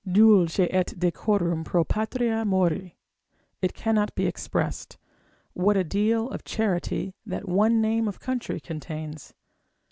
Dulce et decorum pro patria mori, it cannot be expressed, what a deal of charity that one name of country contains.